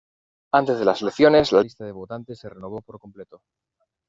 Antes de las elecciones, la lista de votantes se renovó por completo.